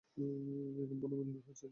এখানে পুর্নমিলনী হচ্ছে দেখছি।